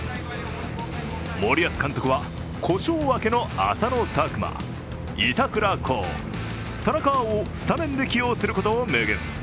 森保監督は故障明けの浅野拓磨、板倉滉、田中碧をスタメンで起用することを明言。